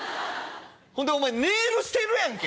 ほんでお前ネイルしてるやんけ！